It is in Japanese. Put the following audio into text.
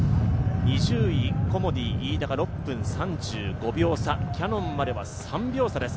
２０位、コモディイイダが６分３５秒差、キヤノンまでは３秒差です。